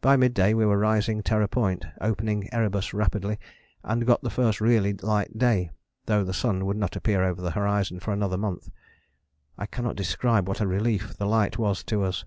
By mid day we were rising Terror Point, opening Erebus rapidly, and got the first really light day, though the sun would not appear over the horizon for another month. I cannot describe what a relief the light was to us.